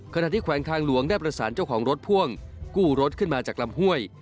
แขวงทางหลวงได้ประสานเจ้าของรถพ่วงกู้รถขึ้นมาจากลำห้วย